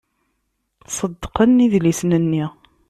Ṣeddqen idlisen-nni.